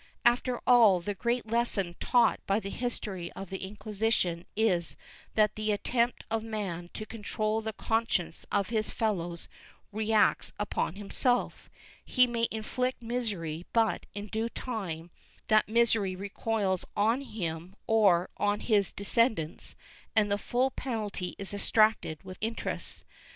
After all, the great lesson taught l^y the history of the Inquisition is that the attempt of man to control the conscience of his fellows reacts upon himself; he may inflict misery but, in due time, that misery recoils on him or on his descendants and the full penalty is exacted with interest.